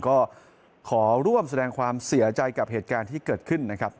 ก็ขอร่วมแสดงความเสียใจกับเหตุการณ์ที่เกิดขึ้นนะครับ